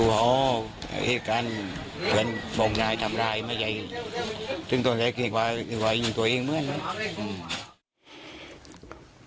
อ๋อเหตุการณ์เหมือนบ่งนายทำร้ายไม่ใช่ซึ่งต้องใช้กินกว่ายิงตัวเองเมื่อไหร่